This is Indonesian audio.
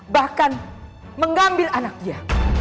bahkan mengambil anak dia